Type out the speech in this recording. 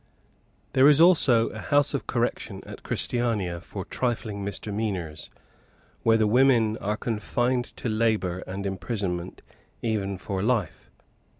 There is also a House of Correction at Christiania for trifling misdemeanours, where the women are confined to labour and imprisonment even for life.